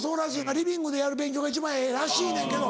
リビングでやる勉強が一番ええらしいねんけど